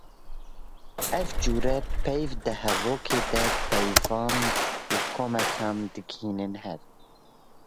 Ev cure peyv di hevokê de peyvan û komekan digihînin hev